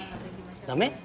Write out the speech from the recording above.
ダメ？